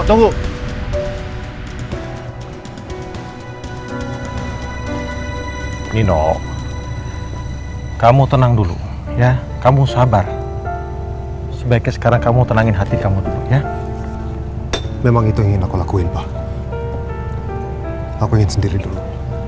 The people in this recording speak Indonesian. tolong selamatkan janin saya